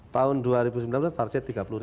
tahun dua ribu sembilan belas target tiga puluh